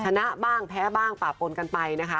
ชนะบ้างแพ้บ้างป่าปนกันไปนะคะ